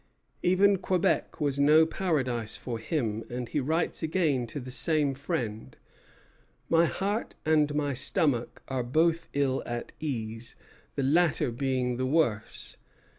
Even Quebec was no paradise for him; and he writes again to the same friend: "My heart and my stomach are both ill at ease, the latter being the worse."